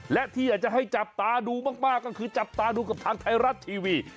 และที่อยากจะให้จับตาดูมากก็คือจับตาดูกับทางไทยรัฐทีวี